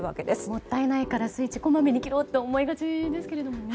もったいないからスイッチこまめに切ろうと思いがちですけどね。